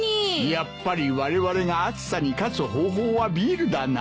やっぱりわれわれが暑さに勝つ方法はビールだな。